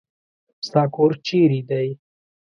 ستا کور چېري دی ؟